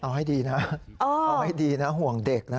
เอาให้ดีนะเอาให้ดีนะห่วงเด็กนะ